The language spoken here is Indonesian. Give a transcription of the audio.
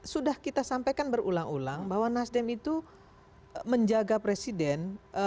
sudah kita sampaikan berulang ulang bahwa nasdem itu menjaga presiden